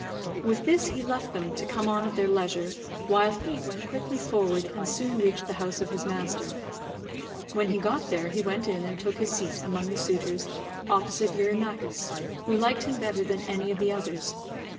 With this he left them to come on at their leisure, while he went quickly forward and soon reached the house of his master. When he got there he went in and took his seat among the suitors opposite Eurymachus, who liked him better than any of the others.